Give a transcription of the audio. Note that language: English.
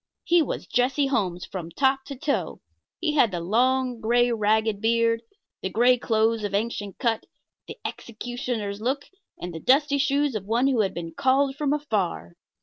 He was Jesse Holmes from top to toe; he had the long, gray, ragged beard, the gray clothes of ancient cut, the executioner's look, and the dusty shoes of one who had been called from afar.